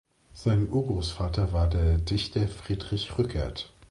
Sein Urgroßvater war der Dichter Friedrich Rückert.